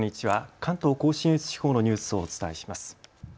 関東甲信越地方のニュースをお伝えします。